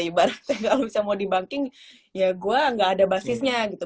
ibaratnya kalo bisa mau dibunking ya gua gak ada basisnya gitu